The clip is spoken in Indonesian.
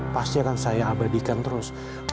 pasti akan saya abadikan terus